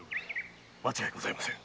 間違いございません。